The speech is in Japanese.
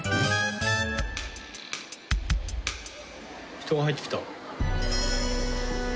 人が入ってきた。